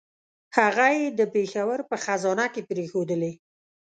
هغه یې د پېښور په خزانه کې پرېښودلې.